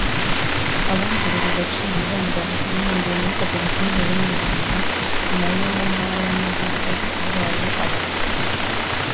Abongerera agaciro ibumba bibumbiye muri Koperative Beninganzo na yo mu ntara y’Amajyepfo babaye aba mbere